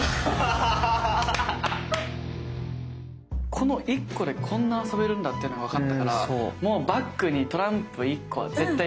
この１個でこんな遊べるんだっていうのが分かったからもうバッグにトランプ１個は絶対入れときます。